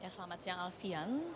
selamat siang alfian